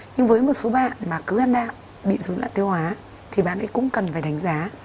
nhưng với một số bạn mà cứ ăn đạm bị dối loạn tiêu hóa thì bạn ấy cũng cần phải đánh giá